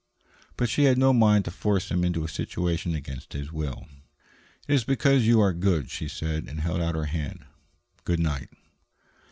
But she had no mind to force him into a situation against his will. "It is because you are good," she said, and held out her hand. "Good night."